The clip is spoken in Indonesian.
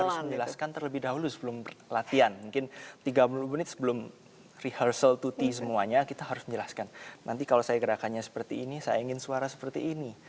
saya mau menjelaskan terlebih dahulu sebelum latihan mungkin tiga puluh menit sebelum rehearsal dua t semuanya kita harus menjelaskan nanti kalau saya gerakannya seperti ini saya ingin suara seperti ini